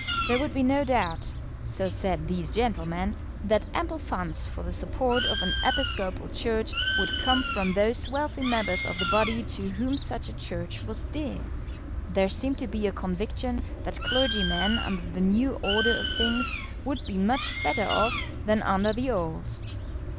There would be no doubt, so said these gentlemen, that ample funds for the support of an Episcopal Church would come from those wealthy members of the body to whom such a Church was dear. There seemed to be a conviction that clergymen under the new order of things would be much better off than under the old.